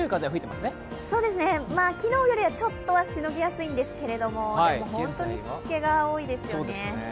まあ、昨日よりはちょっとはしのぎやすいんですけれども、本当に湿気が多いですよね。